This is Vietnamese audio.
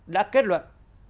đã kết luận